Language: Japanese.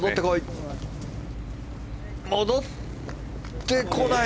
戻ってこい。